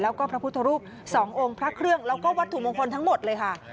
แล้วก็พระพุทธรูป๒องค์พระเครื่องแล้วก็วัตถุมงคลทั้งหมดเลยค่ะ